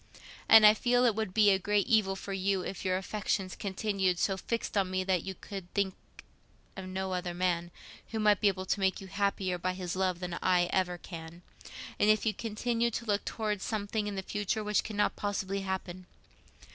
And I feel it would be a great evil for you if your affections continued so fixed on me that you could think of no other man who might be able to make you happier by his love than I ever can, and if you continued to look towards something in the future which cannot possibly happen.